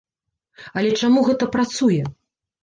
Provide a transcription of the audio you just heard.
Але чаму гэта працуе?